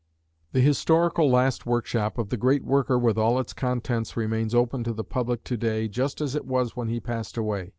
The historical last workshop of the great worker with all its contents remains open to the public to day just as it was when he passed away.